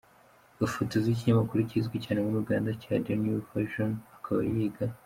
gafotozi wikinyamakuru kizwi cyane muri Uganda cya The New Vision akaba yiga.